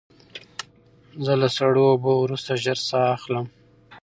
زه له سړو اوبو وروسته ژر ساه اخلم.